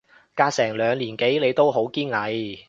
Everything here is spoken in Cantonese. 隔成兩年幾你都好堅毅